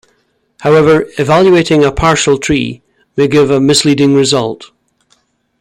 However, evaluating a partial tree may give a misleading result.